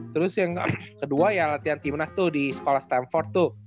terus yang kedua ya latihan timnas tuh di sekolah stanford tuh